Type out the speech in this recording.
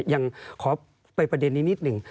ยังขอไปประเด็นนี้นิดหนึ่ง